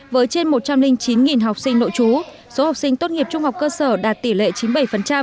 với trên một trăm linh chín học sinh nội chú số học sinh tốt nghiệp trung học cơ sở đạt tỷ lệ chín mươi bảy